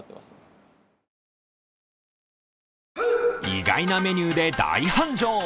意外なメニューで大繁盛。